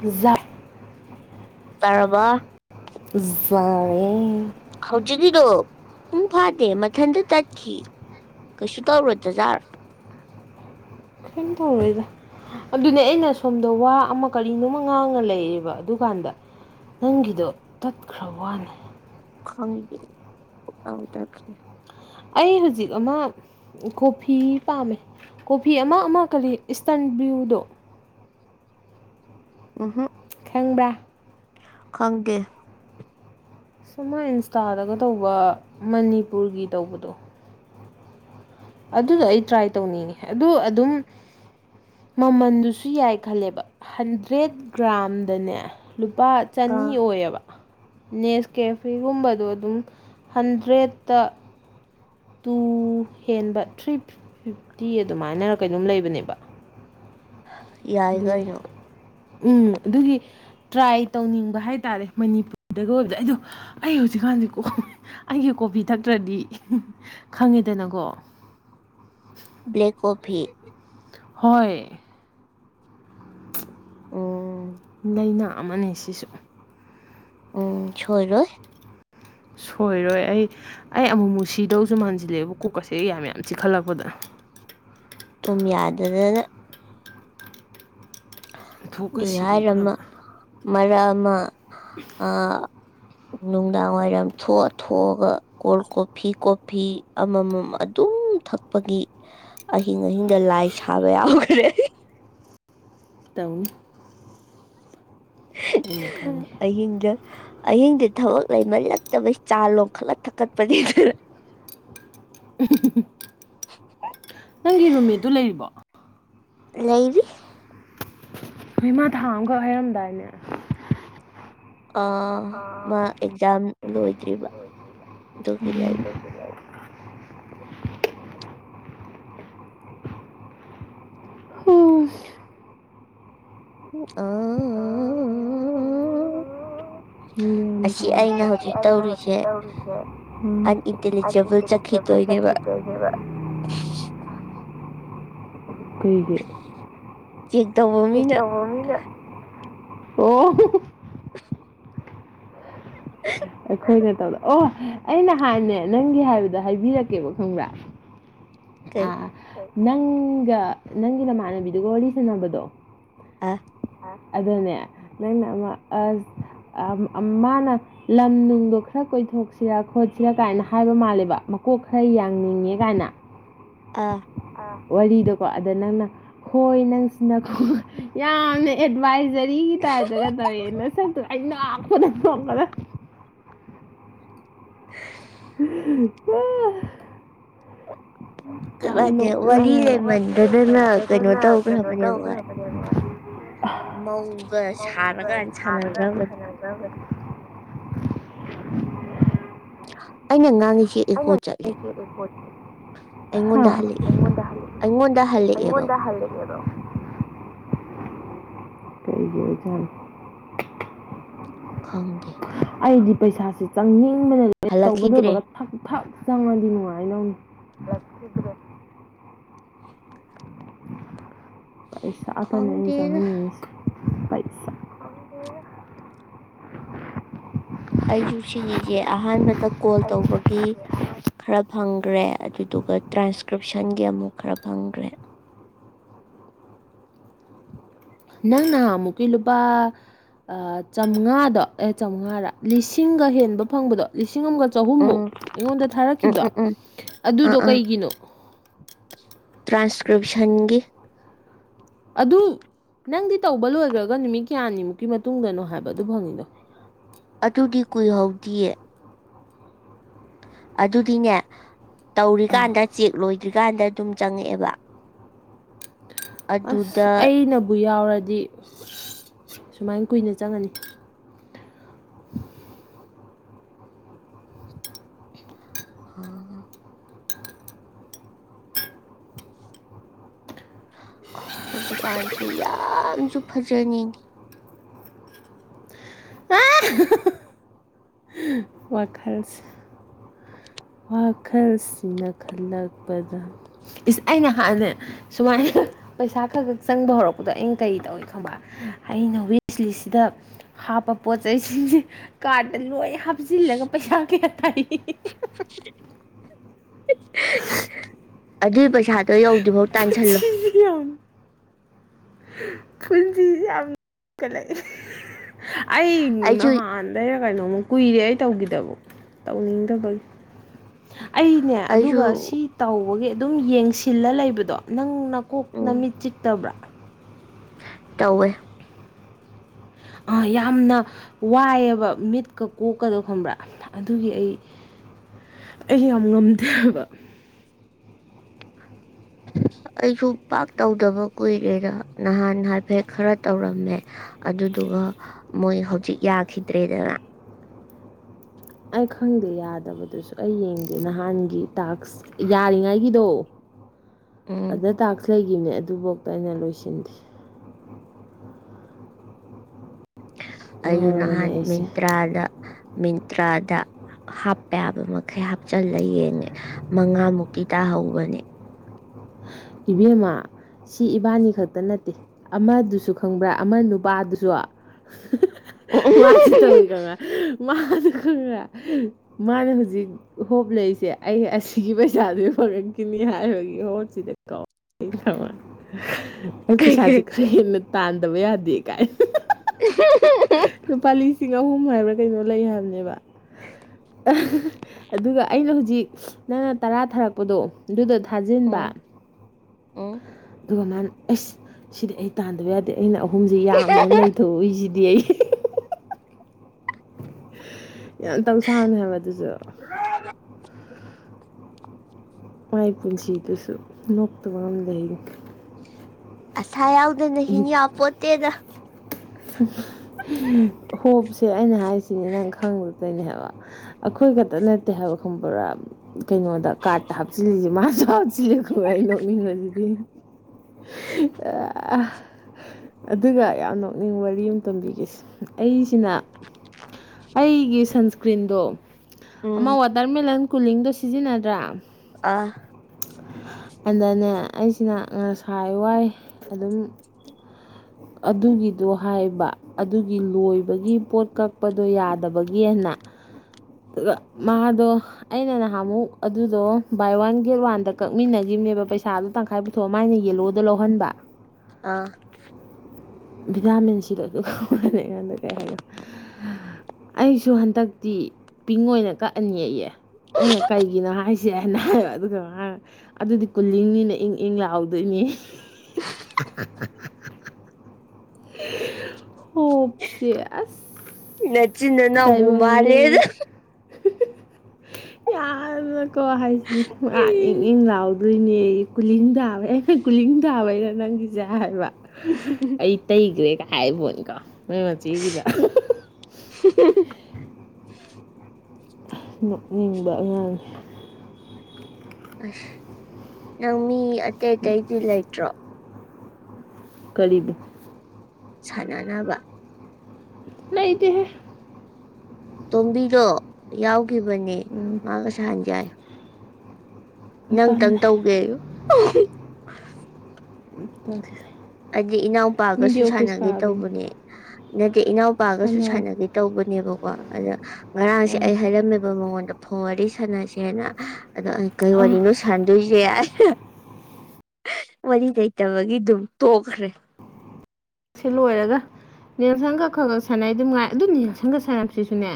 ꯞ ꯇꯔꯔꯕ ꯋꯥꯔꯦ ꯍꯧꯖꯤꯛꯀꯤꯗꯣ ꯄꯨꯡ ꯐꯥꯗꯦ ꯃꯊꯟꯇ ꯆꯠꯈꯤ ꯀꯩꯁꯨ ꯇꯧꯔꯣ ꯗꯖꯥꯔ ꯀꯩꯝ ꯇꯧꯔꯦꯗ ꯑꯗꯨꯅꯦ ꯑꯩꯅ ꯁꯣꯝꯗ ꯋꯥ ꯑꯃ ꯀꯔꯤꯅꯣꯃ ꯉꯥꯡꯉ ꯂꯩꯌꯦꯕ ꯑꯗꯨꯀꯥꯟꯗ ꯅꯪꯒꯤꯗꯣ ꯇꯠꯈ꯭ꯔꯕ ꯋꯥꯅꯦ ꯈꯪꯉ ꯇꯦ ꯑꯩ ꯍꯧꯖꯤꯛ ꯑꯃ ꯀꯣꯐꯤ ꯄꯥꯝꯃꯦ ꯀꯣꯐꯤ ꯑꯃ ꯑꯃ ꯀꯔꯤ ꯏꯁꯇꯔꯟ ꯕ꯭꯭ꯂꯌꯨꯗꯣ ꯎꯍ ꯆꯪꯕ꯭ꯔ ꯈꯪꯒꯦ ꯁꯨꯃꯥꯏ ꯏꯟꯁꯇꯥꯗꯒ ꯇꯧꯕ ꯃꯅꯤꯄꯨꯔꯒꯤ ꯇꯧꯕꯗꯣ ꯑꯗꯨꯗꯣ ꯑꯩ ꯇ꯭ꯔꯥꯏ ꯇꯧꯅꯤꯡꯉꯦ ꯑꯗꯨ ꯑꯗꯨꯝ ꯃꯃꯜꯗꯨꯁꯨ ꯌꯥꯏ ꯈꯜꯂꯦꯕ ꯍꯟꯗ꯭ꯔꯦꯠ ꯒ꯭ꯔꯥꯝꯗꯅꯦ ꯂꯨꯄꯥ ꯆꯅꯤ ꯑꯥ ꯑꯣꯏꯌꯦꯕ ꯅꯦꯁ ꯀꯦꯐꯤꯒꯨꯝꯕꯗꯣ ꯑꯗꯨꯝ ꯍꯟꯗ꯭ꯔꯦꯠꯇ ꯇꯨ ꯍꯦꯟꯕ ꯊ꯭ꯔꯤ ꯐꯤꯐꯇꯤ ꯑꯗꯨꯃꯥꯏꯅ ꯀꯩꯅꯣꯝ ꯂꯩꯕꯅꯦꯕ ꯌꯥꯏ ꯀ ꯑꯗꯨꯒꯤ ꯎꯝ ꯑꯗꯨꯒꯤ ꯇ꯭ꯔꯥꯏ ꯇꯧꯅꯤꯡꯕ ꯍꯥꯏ ꯇꯥꯔꯦ ꯃꯅꯤꯄꯨꯔꯗꯒ ꯑꯣꯏꯕꯗ ꯑꯩꯗꯣ ꯑꯩ ꯍꯧꯖꯤꯛꯀꯥꯟꯗꯤ ꯑꯩꯒꯤ ꯀꯣꯐꯤ ꯊꯛꯇ꯭ꯔꯗꯤ ꯈꯪꯉꯦꯗꯅꯀꯣ ꯕ꯭ꯂꯦꯛꯀꯣꯚ ꯍꯣꯏ ꯎꯝ ꯂꯩꯥꯏꯅꯥ ꯑꯃꯅꯤ ꯁꯤꯁꯨ ꯎꯝ ꯁꯣꯏꯔꯣꯏ ꯁꯣꯏꯔꯣꯏ ꯑꯩ ꯑꯩ ꯑꯃꯨꯛ ꯃꯨꯛ ꯁꯤꯗꯧꯁꯨ ꯃꯥꯟꯁꯤꯜꯂꯛꯦꯕ ꯀꯨꯣꯛ ꯑꯁꯦ ꯑꯩ ꯀ ꯃ ꯌꯥꯝ ꯆꯤꯛꯈꯠꯂꯛꯄꯗ꯫ ꯇꯨꯝ ꯌꯥꯗꯗꯅ ꯊꯣꯛꯀ ꯁꯤꯗꯣꯛꯈ꯭ꯔꯕ ꯃꯔꯔꯛ ꯑꯃ ꯑ ꯅꯨꯡꯗꯥꯡ ꯋꯥꯏꯔꯝ ꯊꯣꯛꯑ ꯊꯣꯛꯑꯒ ꯀꯣꯜ ꯀꯣꯐꯤ ꯀꯣꯐꯤ ꯑꯃꯃꯝ ꯑꯗꯨꯝ ꯊꯛꯄꯒꯤ ꯑꯍꯤꯡ ꯑꯍꯤꯡꯗ ꯂꯥꯏ ꯁꯥꯕ ꯌꯥꯎꯈ꯭ꯔꯦ ꯇꯧ ꯑꯍꯤꯡꯗ ꯑꯍꯤꯡꯗ ꯊꯕꯛ ꯂꯩꯃꯜꯂꯛꯇꯕꯩ ꯆꯥ ꯂꯣꯡ ꯈꯠꯂ ꯊꯛꯀꯠꯄꯅꯤꯗꯅ [unintelligible] ꯅꯪꯒꯤ ꯔꯨꯝꯃꯦ ꯑꯗꯨ ꯂꯩꯔꯤꯕꯣ ꯂꯩꯕꯤ ꯃꯃꯥ ꯊꯥꯡ ꯑꯃꯈꯛ ꯍꯥꯏꯔꯝꯗꯥꯏꯅꯦ ꯑ ꯃꯥ ꯑꯦꯛꯖꯥꯝ ꯂꯣꯏꯗ꯭ꯔꯤꯕ ꯑꯗꯨꯒꯤ ꯂꯩꯕ [unintelligible] ꯍꯨꯝ ꯎ ꯑ ꯑ ꯑ ꯑꯁꯤ ꯑ ꯑꯩꯅ ꯑꯁꯤ ꯍꯧꯖꯤꯛ ꯑꯩꯅ ꯍꯧꯖꯤꯛ ꯇꯧꯔꯤꯁꯦ ꯇꯧꯔꯤꯁꯦ ꯎꯝ ꯑ ꯏ ꯑꯟꯏꯟꯇꯦꯂꯤꯖꯦꯕꯜ ꯀ ꯖꯕ ꯆꯠꯈꯤꯗꯣꯏꯅꯦꯕ ꯆꯠꯈꯤꯗꯨꯅꯦꯕ ꯀꯩꯒꯤ ꯆꯦꯛ ꯇꯧꯕ ꯃꯤꯅ ꯑꯣ ꯑꯩꯈꯣꯏꯅ ꯇꯧꯗ ꯑꯣ ꯑꯩꯅ ꯍꯥꯟꯅꯦ ꯅꯪꯒꯤ ꯍꯥꯏꯕꯗ ꯍꯥꯏꯕꯤꯔꯛꯀꯦꯕ ꯈꯪꯕ꯭ꯔꯥ ꯀꯩ ꯑꯨꯝ ꯅꯪꯒ ꯅꯪꯒꯤ ꯅꯃꯥꯟꯅꯕꯤꯗꯨꯒ ꯋꯔꯤ ꯁꯅꯕꯗꯣ ꯑ ꯑꯗꯨꯅꯦ ꯅꯪꯅ ꯑꯁ ꯃꯥꯅ ꯂꯝ ꯅꯨꯡꯗꯣ ꯈꯔ ꯀꯣꯏꯊꯣꯛꯁꯤꯔ ꯈꯣꯠꯁꯤꯔꯥ ꯀꯥꯏꯅ ꯍꯥꯏꯕ ꯃꯥꯜꯂꯦꯕ ꯃꯀꯣꯛ ꯈꯔ ꯌꯥꯡꯅꯤꯡꯉꯦ ꯀꯥꯏꯅ ꯑꯥ ꯋꯥꯔꯤꯗꯀꯣ ꯑꯗ ꯅꯪꯅ ꯍꯣꯏ ꯅꯪꯁꯤꯅꯣ ꯌꯥꯝꯅ ꯑꯦꯗꯚꯥꯏꯖꯔꯤ ꯁꯤꯒꯤꯤ ꯇꯥꯏꯗꯒꯗꯦꯅ ꯆ ꯏꯩꯅ ꯍꯥꯄꯗ ꯏꯣꯡꯉꯗ [inaudible] ꯋꯥ ꯌꯥꯝ ꯀꯃꯥꯏꯅ ꯋꯥꯔꯤ ꯅꯣꯛꯅꯤꯡꯉꯦꯕ ꯂꯩꯃꯟꯗꯗꯅ ꯀꯩꯅꯣ [inaudible] ꯇꯧꯈ꯭ꯔꯕꯅꯦꯕ ꯎꯝ ꯃꯧꯒ ꯁꯥꯔꯀꯥꯟ ꯁꯥꯟꯅꯈ꯭ꯔꯕꯅꯤ [inaudible] ꯑꯩꯅꯥ ꯉꯥꯡ ꯉꯥꯡꯉꯤꯁꯤ ꯑꯦꯀꯣ ꯆꯠꯂꯦ ꯍꯥ ꯑꯩꯉꯣꯟꯗ ꯍꯜꯂꯛꯑꯦ ꯑꯩꯉꯣꯟꯗ ꯍꯜꯂꯛꯑꯦꯕ ꯀꯔꯤꯒꯤ ꯑꯣꯏꯖꯅꯣ ꯈꯪꯗꯦ ꯑꯩꯗꯤ ꯄꯩꯁꯥꯥꯁꯦ ꯆꯪꯅꯤꯡ__ ꯂꯣꯏ ꯇꯧꯕ ꯍꯜꯂꯛꯈꯤꯗ꯭ꯔꯦ ꯂꯣꯏꯕꯒ ꯊꯥꯛ ꯊꯥꯛ ꯆꯪꯉꯥꯗꯤ ꯅꯨꯡꯉꯏꯗꯧꯅꯦ ꯄꯩꯁꯥ ꯇꯥꯅꯦ ꯑꯩꯅ ꯈꯪꯗꯦꯗ ꯆꯪꯍꯟꯅꯤꯡꯉꯤꯁꯤ ꯄꯩꯁꯥ ꯑꯩꯁꯨ ꯁꯤꯒꯤꯁꯦ ꯑꯍꯥꯟꯕꯗ ꯀꯣꯜ ꯇꯧꯕꯒꯤ ꯈꯔ ꯐꯪꯈ꯭ꯔꯦ ꯑꯗꯨꯗꯨꯒ ꯇ꯭ꯔꯥꯟꯁꯀ꯭ꯔꯤꯞꯁꯟꯒꯤ ꯑꯃꯨꯛ ꯈꯔ ꯐꯪꯒꯔꯦ ꯅꯪꯅ ꯑꯃꯨꯛꯀꯤ ꯂꯨꯄꯥ ꯆꯥꯝꯃꯉꯥꯗꯣ ꯑꯦ ꯆꯥꯝꯃꯉꯥꯔ ꯂꯤꯁꯤꯡꯒ ꯍꯦꯟꯕ ꯐꯪꯕꯗꯣ ꯂꯤꯁꯤꯡ ꯑꯃꯒ ꯎꯝ ꯆꯍꯨꯝꯃꯨꯛ ꯑꯩꯉꯣꯟꯗ ꯎꯝ ꯊꯥꯔꯛꯈꯤꯕ ꯎꯝ ꯎꯝ ꯑꯥ ꯑꯗꯨꯗꯣ ꯑꯥ ꯀꯩꯒꯤꯅꯣ ꯇ꯭ꯔꯥꯟꯁꯀ꯭ꯔꯤꯞꯁꯟꯒꯤ ꯑꯗꯨ ꯅꯪꯗꯤ ꯇꯧꯕ ꯂꯣꯏꯈ꯭ꯔꯒ ꯅꯨꯃꯤꯠ ꯀꯌꯥꯅꯤꯃꯨꯛꯀꯤ ꯃꯇꯨꯡꯗꯅꯣ ꯍꯥꯏꯕ ꯑꯗꯨ ꯐꯪꯉꯤꯅꯣ ꯑꯗꯨꯗꯤ ꯀꯨꯏꯍꯧꯗꯤꯌꯦ ꯑꯗꯨꯗꯤꯅꯦ ꯇꯧꯔꯤꯀꯥꯟꯗ ꯆꯦꯛ ꯂꯣꯏꯗ꯭ꯔꯤ ꯀꯥꯟꯗ ꯑꯗꯨꯝ ꯆꯪꯉꯛꯑꯦꯕ ꯑꯁ ꯑꯗꯨꯗ ꯑꯩꯅꯕꯨ ꯌꯥꯎꯔꯗꯤ ꯁꯨꯃꯥꯏ ꯀꯨꯏꯅ ꯆꯪꯉꯅꯤ ꯑꯥ ꯍꯧꯖꯤꯛꯀꯥꯟꯁꯦ ꯌꯥꯝꯁꯨ ꯐꯖꯅꯤꯡ ꯋꯥꯈꯜꯁꯦ ꯋꯥꯈꯜꯁꯤꯅ ꯈꯜꯂꯛꯄꯗ ꯑꯩꯅ ꯍꯥꯟꯅ ꯁꯨꯃꯥꯏꯅ ꯄꯩꯁꯥ ꯈꯥꯥ ꯈꯛ ꯆꯪꯕ ꯍꯧꯔꯛꯄꯗꯣ ꯑꯩꯅ ꯀꯔꯤ ꯇꯧꯋꯤ ꯈꯪꯕ ꯑꯩꯅ ꯋꯤꯁꯂꯤꯁꯤꯗ ꯍꯥꯞꯄ ꯄꯣꯠ ꯆꯩꯁꯤꯡꯁꯦ ꯀꯥꯔꯠꯇ ꯂꯣꯏ ꯍꯥꯞꯆꯤꯜꯂꯒ ꯄꯩꯁꯥ ꯀꯌꯥ ꯊꯥꯏ ꯑꯗꯨꯏ ꯄꯩ ꯁꯥꯗꯣ ꯌꯧꯗ꯭ꯔꯤꯕꯧ ꯇꯥꯟꯁꯜꯂꯣ ꯄꯨꯟꯁꯤꯁꯦ ꯌꯥꯝ ꯄꯨꯟꯁꯤꯁꯦ ꯌꯥꯝ ꯇꯜꯛꯑ‌ꯦ ꯑꯩ ꯑꯩꯁꯨ ꯅꯍꯥꯟꯗꯩꯔꯥ ꯀꯩꯅꯣꯝꯃ ꯀꯨꯏꯔꯦ ꯑꯩ ꯇꯧꯈꯤꯗꯕ ꯇꯧꯅꯤꯡꯗꯕꯒꯤ ꯑꯩꯅꯦ ꯑꯩꯁꯨ ꯑꯗꯨꯒ ꯁꯤ ꯇꯧꯕꯒꯤ ꯑꯗꯨꯝ ꯌꯦꯡꯁꯤꯜꯂ ꯂꯩꯕꯗꯣ ꯅꯪ ꯅꯞ ꯀꯣꯛ ꯎꯝ ꯅꯃꯤꯠ ꯆꯤꯛꯇꯕ꯭ꯔꯥ ꯇꯧꯋꯦ ꯌꯥꯝꯅ ꯋꯥꯏꯑꯦꯕ ꯃꯤꯠꯀ ꯀꯣꯛꯀꯗꯣ ꯈꯪꯕ꯭ꯔꯥ ꯑꯗꯨꯒꯤ ꯑꯩ ꯑꯩ ꯌꯥꯝ ꯉꯝꯗꯦꯕ ꯑꯩꯁꯨ ꯄꯥꯛ ꯇꯧꯗꯕ ꯀꯨꯏꯔꯦꯗ ꯅꯍꯥꯟ ꯍꯥꯏꯐꯦꯠ ꯈꯔ ꯇꯧꯔꯝꯃꯦ ꯑꯗꯨꯗꯨꯒ ꯃꯣꯏ ꯍꯧꯖꯤꯛ ꯌꯥꯈꯤꯗ꯭ꯔꯦꯗꯅ ꯑꯩ ꯈꯪꯗꯦ ꯌꯥꯗꯕꯗꯨꯁꯨ ꯑꯩ ꯌꯦꯡꯗꯦ ꯅꯍꯥꯟꯒꯤ ꯇꯥꯛꯁ ꯌꯥꯔꯤꯉꯩꯒꯤꯗꯣ ꯎꯝ ꯑꯗ ꯇꯥꯛꯁ ꯂꯩ ꯒꯤꯅꯦ ꯑꯗꯨꯐꯧꯗ ꯑꯩꯅ ꯂꯣꯏꯁꯤꯟꯗꯦ ꯑꯩꯌꯨ ꯉꯥꯎꯔꯕꯅꯦ ꯅꯍꯥꯟ ꯑꯩꯁꯦ ꯃꯤꯟꯇ꯭ꯔꯥꯗ ꯃꯤꯟꯇ꯭ꯔꯥꯗ ꯍꯥꯞꯄ ꯌꯥꯕ ꯃꯈꯩ ꯍꯥꯞꯆꯤꯜꯂ ꯌꯦꯡꯉꯦ ꯃꯉꯥꯃꯨꯛꯇꯤ ꯇꯥꯍꯧꯕꯅꯦ ꯏꯕꯦꯝꯃ ꯁꯤ ꯏꯕꯥꯅꯤ ꯈꯛꯇ ꯅꯠꯇꯦ ꯑꯃꯗꯨꯁꯨ ꯈꯪꯕ꯭ꯔꯥ ꯑꯃ ꯅꯨꯄꯥꯗꯨꯁꯨ ꯃꯥꯁꯨ ꯇꯧꯋꯤ ꯈꯪꯕ꯭ꯔ ꯃꯗꯨ ꯈ꯭ꯔ ꯃꯥꯅ ꯍꯧꯖꯤꯛ ꯍꯣꯞ ꯂꯩꯔꯤꯁꯦ ꯑꯩ ꯑꯁꯤꯒꯤ ꯄꯩꯁꯥꯗꯨ ꯐꯪꯉꯛꯈꯤꯅꯤ ꯍꯥꯏꯕꯒꯤ ꯍꯣꯠ ꯁꯤꯗ ꯀꯥꯎ ꯑꯩ ꯄꯩꯁꯥꯥꯁꯦ ꯀꯩꯀꯩ ꯈꯔ ꯍꯦꯟꯅ ꯇꯥꯟꯗꯕ ꯌꯥꯗꯦ ꯀꯥꯏ ꯂꯨꯄꯥ [unintelligible] ꯂꯤꯁꯤꯡ ꯑꯍꯨꯝ ꯍꯥꯏꯕ꯭ꯔꯥ ꯀꯩꯅꯣ ꯂꯩ ꯍꯥꯏꯕꯅꯦꯕ ꯑꯗꯨꯒ ꯑꯩꯅ ꯍꯧꯖꯤꯛ ꯅꯪꯅ ꯇꯔꯥ ꯊꯥꯔꯛꯄꯗꯣ ꯑꯗꯨꯗ ꯊꯥꯖꯤꯟꯕ ꯑꯣ ꯑꯗꯨꯒ ꯅꯍꯥꯟ ꯑꯦꯁ ꯁꯤꯗꯤ ꯑꯩ ꯇꯥꯟꯗꯕ ꯌꯥꯗꯦ ꯑꯩꯅ ꯑꯍꯨꯝꯁꯤ ꯌꯥꯝꯃꯦꯅ ꯂꯩꯊꯣꯛꯎꯔꯤꯁꯤ ꯗꯤ [unintelligible] ꯌꯥꯝ ꯇꯧꯁꯥꯕꯅꯦ ꯍꯥꯏꯕ ꯑꯗꯨꯁꯨ ꯃꯥꯏ ꯄꯨꯟꯁꯤꯗꯁꯨ ꯅꯣꯛꯇꯕ ꯑꯃ ꯂꯩ ꯑꯁ ꯄꯩꯁꯥ ꯌꯥꯎꯗꯅ ꯍꯤꯟꯌꯥ ꯄꯣꯠꯇꯦꯗ ꯍꯣꯞꯁꯦ ꯑꯩꯅ ꯍꯥꯏꯁꯤꯅꯦ ꯅꯪ ꯈꯪꯗ ꯇꯧꯔꯤꯅꯤ ꯍꯥꯏꯕ ꯑꯩꯈꯣꯏ ꯈꯛꯇ ꯅꯠꯇꯦ ꯍꯥꯏꯕ ꯈꯪꯕꯔꯥ ꯀꯩꯅꯣꯗ ꯀꯥꯔꯠꯇ ꯍꯥꯞꯆꯤꯜꯂꯤꯁꯦ ꯃꯥꯁꯨ ꯍꯥꯞꯆꯤꯜꯂ ꯑꯩꯅ ꯅꯣꯛꯅꯤꯡꯕꯁꯤꯗꯤ ꯑ ꯑ ꯑꯗꯨꯒ ꯌꯥꯝ ꯅꯣꯛꯅꯤꯡ ꯋꯥꯔꯤ ꯑꯃ ꯇꯝꯕꯤꯒꯦꯁꯦ ꯑꯩꯁꯤꯅ ꯑꯩꯒꯤ ꯁꯟ ꯀ꯭ꯔꯤꯟꯗꯣ ꯑꯃ ꯎꯝ ꯋꯥꯇꯔꯃꯦꯂꯟ ꯀꯨꯂꯤꯡꯗꯣ ꯁꯤꯖꯤꯟꯅꯗ꯭ꯔꯥ ꯑꯥ ꯑꯗꯅꯦ ꯑꯩꯁꯤꯅ ꯉꯁꯥꯏ ꯋꯥꯏ ꯑꯗꯨꯝ ꯑꯗꯨꯒꯤꯗꯣ ꯍꯥꯏꯕ ꯑꯗꯨꯒꯤ ꯂꯣꯏꯕꯒꯤ ꯄꯣꯠ ꯀꯛꯄꯗꯣ ꯌꯥꯗꯕꯒꯤꯅ ꯃꯥꯗꯣ ꯑꯩꯅ ꯅꯍꯥꯟ ꯑꯃꯨꯛ ꯑꯗꯨꯗꯣ ꯕꯥꯏ ꯋꯥꯟ ꯗꯦꯠ ꯋꯥꯟꯗ ꯀꯛꯃꯤꯟꯅꯥꯒꯤꯃꯦꯕ ꯄꯩꯁꯥꯗꯣ ꯇꯪꯈꯥꯏ ꯄꯨꯊꯣꯛ ꯃꯥꯥꯏꯅ ꯌꯦꯜꯂꯣꯗ ꯂꯧꯍꯟꯕ ꯑꯥ ꯚꯤꯇꯥꯃꯤꯟꯁꯤꯗꯣ ꯑꯗꯨ ꯃꯅꯥ ꯑꯩꯉꯣꯟꯗ ꯀꯩ ꯍꯥꯏꯒꯦ ꯑꯩꯁꯨ ꯍꯟꯗꯛꯇꯤ ꯄꯤꯡ ꯑꯣꯏꯅ ꯀꯛꯑꯅꯤꯌꯦ ꯑꯩꯅ ꯀꯩꯒꯤꯅꫭ ꯍꯥꯏꯁꯦ ꯖꯦꯅ ꯍꯥꯏꯕꯥ ꯑꯗꯨꯒ ꯉꯥꯔꯥꯡ ꯑꯗꯨꯗꯤ ꯀꯨꯜꯂꯤꯡꯅꯤꯅ ꯏꯪ ꯏꯪ ꯂꯥꯎꯗꯣꯏꯅꯤ ꯍꯣꯞꯁꯤ ꯑꯁ ꯆꯤꯟ ꯏꯅꯥꯎꯕꯨ ꯃꯥꯜꯂꯦꯗ ꯌꯥꯔ ꯀꯣ ꯍꯥꯏꯁꯤꯗꯤ ꯏꯪ ꯏꯪ ꯂꯥꯎ ꯑꯗꯨꯏꯅꯦꯌꯦ ꯀꯨꯂꯤꯡ ꯊꯥꯕꯩ ꯑꯩꯅꯥ ꯀꯨꯂꯤꯡ ꯊꯥꯕꯩꯔꯥ ꯅꯪꯒꯤꯁꯦ ꯍꯥꯏꯕ ꯑꯩ ꯇꯩꯒꯔꯦ ꯀꯥꯏ ꯍꯥꯏ ꯄꯣꯠꯅꯤꯀꯣ ꯃꯣꯏ ꯃꯆꯦꯒꯤꯗ [inaudible] ꯅꯣꯛꯅꯤꯡꯕ ꯑꯉꯥꯡꯅꯤ ꯑꯁ ꯅꯪ ꯃꯤ ꯑꯇꯩ ꯑꯇꯩꯗꯤ ꯂꯩꯇ꯭ꯔꯣ ꯀꯔꯤꯕꯨ ꯁꯥꯟꯅꯅꯕ ꯂꯩꯇꯦ ꯍꯦ ꯇꯣꯝꯕꯤꯗꯣ ꯌꯥꯎ ꯈꯤꯕꯅꯤ ꯎꯝ ꯃꯥꯒ ꯁꯥꯅꯖꯦ ꯍꯥꯏ꯫ ꯅꯪꯇꯪ ꯇꯜꯂꯦ ꯇꯧꯒꯦ [inaudible] [unintelligible] ꯍꯥꯏꯗꯤ ꯃꯤꯗꯤ ꯏꯅꯥꯎꯄꯥꯒꯁꯨ ꯑꯣꯐꯤꯁ ꯁꯥꯟꯅꯒꯦ ꯀꯥꯕꯤꯅꯤ ꯇꯧꯕꯅꯦ ꯅꯠꯇꯦ ꯏꯅꯥꯎꯄꯥꯒꯁꯨ ꯁꯥꯟꯅꯧ ꯁꯥꯟꯅꯒꯦ ꯇꯧꯕꯅꯦꯕꯀꯣ ꯑꯗ ꯉꯔꯥꯡꯁꯦ ꯎꯝ ꯑꯩ ꯍꯥꯏꯔꯝꯃꯦꯕ ꯃꯉꯣꯟꯗ ꯐꫭꯟ ꯋꯥꯔꯤ ꯁꯥꯟꯅꯁꯦꯅ ꯑꯗꯣ ꯑꯩ ꯀꯩ ꯑ ꯋꯥꯔꯤꯅꯣ ꯁꯥꯟꯗꯣꯏꯁꯦ ꯋꯥꯔꯤ ꯂꯩꯇꯕꯒꯤ ꯑꯗꯨ ꯇꯣꯛꯈ꯭ꯔꯦ ꯅꯦꯜꯁꯪꯒ ꯈ ꯈ ꯁꯥꯟꯅꯩ ꯑꯗꯨꯝ ꯉꯥꯏ ꯑꯗꯨ ꯅꯦꯜꯁꯪꯒ ꯁꯥꯟꯅꯕꯁꯤꯁꯨꯅꯦ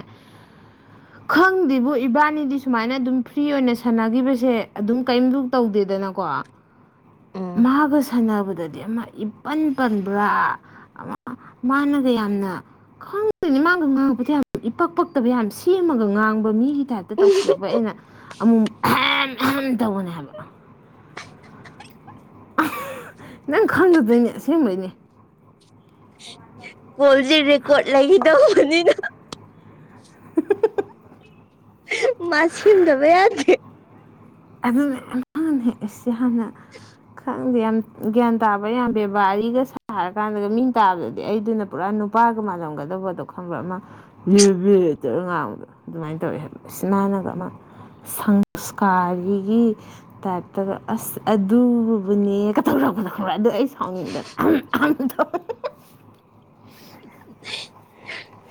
ꯈꯪꯗꯦꯕꯨ ꯏꯕꯥꯅꯤꯗꯤ ꯁꯨꯃꯥꯏꯅ ꯑꯗꯨꯝ ꯐ꯭ꯔꯤ ꯑꯣꯏꯅ ꯁꯥꯟꯅꯒꯤꯈꯤꯕꯁꯦ ꯑꯗꯨꯝ ꯀꯏꯝꯁꯨ ꯇꯧꯗꯦꯗꯅꯀꯣ ꯎꯝ ꯃꯥꯒ ꯁꯥꯟꯅꯕ ꯑꯗꯨꯗꯗꯤ ꯑꯃ ꯏꯄꯟ ꯄꯟꯕ꯭ꯔꯥ ꯃꯥꯅꯒ ꯌꯥꯝꯅ ꯈꯪꯗꯣꯏꯅꯤ ꯃꯥꯒ ꯉꯥꯡꯕꯗ ꯌꯥꯝ ꯏꯄꯛ ꯄꯛꯇꯕ ꯌꯥꯝ ꯁꯦꯝꯃꯒ ꯉꯥꯡꯕ ꯃꯤꯒꯤ ꯇꯥꯏꯞꯇ ꯇꯧꯁꯤꯜꯂꯛꯄꯩ ꯑꯩꯅ ꯑꯃꯨꯃꯨꯛ ꯑꯍꯦ ꯑꯍꯝ ꯇꯧꯕꯅꯦ ꯍꯥꯏꯕ ꯅꯪ ꯈꯪꯗꯗꯣꯏꯅꯦ ꯑꯁꯦꯡꯕꯩꯅꯦ ꯀꯣꯜꯖꯦ ꯔꯦꯀꯣꯠ ꯂꯩꯅ ꯇꯧꯕꯅꯤ ꯅꯪ ꯃꯥ ꯁꯦꯝꯗꯕ ꯌꯥꯗꯦ ꯑꯗꯨꯅꯦ ꯑꯝ ꯑꯁ ꯌꯥꯝꯅ ꯈꯪ ꯈꯪꯗꯦ ꯌꯥꯝ ꯒ꯭ꯌꯥꯟ ꯇꯥꯕ ꯌꯥꯝ ꯕꯦꯕꯥꯔꯤꯒ ꯁꯥꯔꯀꯥꯟꯗꯒ ꯃꯤ ꯇꯥꯕꯗꯗꯤ ꯑꯩꯗꯨꯅ ꯄꯨꯔꯥ ꯅꯨꯄꯥꯒ ꯃꯥꯥꯟꯂꯝꯒꯗꯕꯗꯣ ꯈꯪꯕ꯭ꯔ ꯑꯃ ꯕꯔꯤ ꯕꯔꯤ ꯇꯧꯔ ꯉꯥꯡꯕꯗꯣ ꯑꯗꯨꯃꯥꯏꯅ ꯇꯧꯋꯦ ꯍꯥꯏꯕ ꯏꯁ ꯃꯥꯅꯒ ꯑꯃ ꯁꯪꯁꯀꯥꯔꯤ ꯑꯩꯒꯤ ꯇꯥꯏꯞꯇꯒ ꯑꯁ ꯑꯗꯨ ꯑꯗꯨꯅꯦ ꯀꯇꯧꯔꯛꯄꯅꯣ ꯈꯪꯕ꯭ꯔꯥ ꯑꯗꯣ ꯑꯩ ꯁꯥꯎꯅꯤꯡꯗꯅ ꯑꯍꯝ ꯑꯍꯝ ꯇꯧ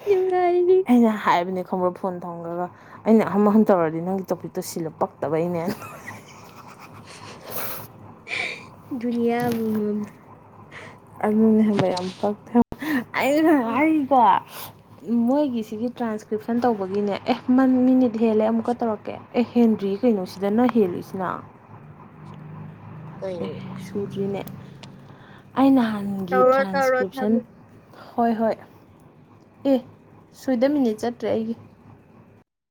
ꯅꯨꯡꯉꯥꯏꯔꯤ ꯑꯩꯅ ꯍꯥꯏꯕꯅꯦ ꯈꯪꯕ꯭ꯔꯥ ꯐꯣꯟ ꯊꯝꯒ꯭ꯔꯒ ꯑꯩꯅ ꯑꯍꯝ ꯑꯍꯝ ꯇꯧꯔꯗꯤ ꯅꯪꯒꯤ ꯇꯣꯄꯤꯛꯇꯣ ꯁꯤꯜꯂꯨ ꯄꯛꯇꯕ ꯕꯩꯅꯦ [inaudible] ꯗꯨꯅꯤꯌꯥ ꯑꯃꯥꯃꯝ ꯑꯗꯨꯅꯦ ꯍꯥꯏꯕ ꯌꯥꯝ ꯄꯛꯇꯦ ꯍꯥꯏꯕ ꯑꯩꯅ ꯍꯥꯏꯅꯤꯀꯣ ꯃꯣꯏꯒꯤꯁꯤꯒꯤ ꯇ꯭ꯔꯥꯟꯁꯀ꯭ꯔꯤꯞꯁꯟ ꯇꯧꯕꯒꯤꯅꯦ ꯑꯦ ꯃꯟ ꯃꯤꯅꯤꯠ ꯍꯦꯜꯂꯦ ꯑꯃꯨꯛꯀ ꯇꯧꯔꯛꯀꯦ ꯑꯦ ꯍꯦꯟꯗ꯭ꯔꯤ ꯀꯩꯅꯣꯁꯤꯗꯅ ꯍꯦꯜꯂꯤꯁꯤꯅ ꯀꯩꯅꯣ ꯑꯦ ꯁꯨꯗ꯭ꯔꯤꯅꯦ ꯑꯩ ꯅꯍꯥꯟ ꯇꯧꯔꯣ ꯇꯧꯔꯣ ꯊꯝ ꯍꯣꯏ ꯍꯣꯏ ꯑꯦ ꯁꯣꯏꯗ ꯃꯤꯅꯤꯠ ꯆꯠꯇ꯭ꯔꯦ ꯑꯩꯒꯤ